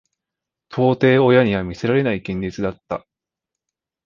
到底親には見せられない現実だった。